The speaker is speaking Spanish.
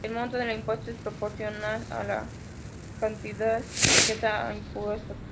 El monto del impuesto es proporcional a la cantidad sujeta a impuestos.